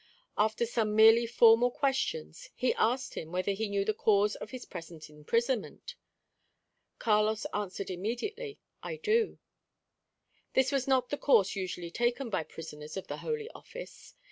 After some merely formal questions, he asked him whether he knew the cause of his present imprisonment? Carlos answered immediately, "I do." This was not the course usually taken by prisoners of the Holy Office.